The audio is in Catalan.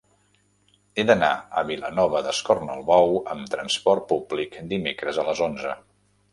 He d'anar a Vilanova d'Escornalbou amb trasport públic dimecres a les onze.